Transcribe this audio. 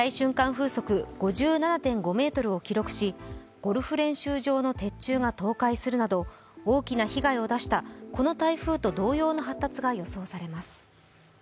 風速５７．５メートルを記録しゴルフ練習場の鉄柱が倒壊するなど大きな被害を出したこの台風と同様の発達が予想されます。